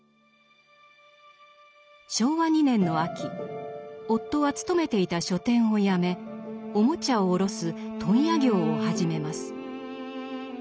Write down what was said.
昭和２年の秋夫は勤めていた書店を辞めおもちゃを卸す問屋業を始めます。